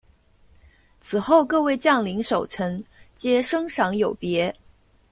此后各位将领守臣皆升赏有别。